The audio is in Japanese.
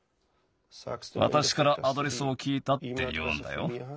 わたしからアドレスをきいたっていうんだよ。